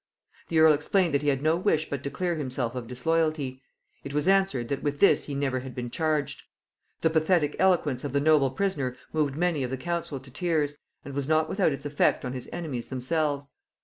The earl explained that he had no wish but to clear himself of disloyalty; it was answered, that with this he never had been charged. The pathetic eloquence of the noble prisoner moved many of the council to tears, and was not without its effect on his enemies themselves.